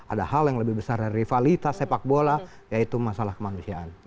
ada hal yang lebih besar dari rivalitas sepak bola yaitu masalah kemanusiaan